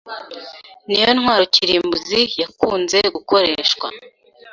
niyo ntwaro kirimbuzi yakunze gukoreshwa